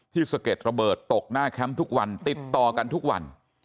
สะเก็ดระเบิดตกหน้าแคมป์ทุกวันติดต่อกันทุกวัน